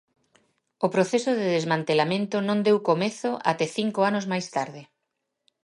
O proceso de desmantelamento non deu comezo até cinco anos máis tarde.